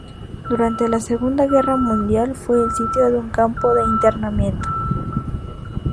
Durante la Segunda Guerra Mundial, fue el sitio de un campo de internamiento.